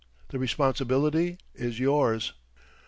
The responsibility is yours."